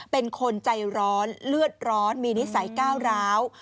เป็นคนใจร้อนเลือดร้อนมีนิสัยก้าวร้าว